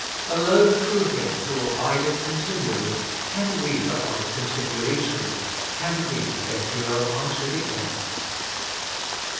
Alone through Him who abideth continually can we abide con tinually too, can we endure unto the end.